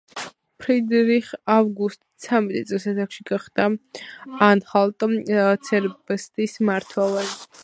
ფრიდრიხ ავგუსტი ცამეტი წლის ასაკში გახდა ანჰალტ-ცერბსტის მმართველი.